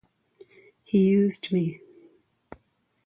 He used me.